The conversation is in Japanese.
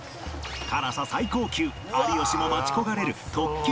辛さ最高級有吉も待ち焦がれる特級